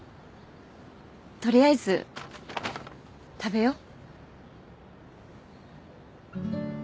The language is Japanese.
取りあえず食べよう。